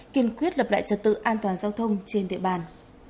kiên quyết lập lại trật tự an toàn giao thông trên địa bàn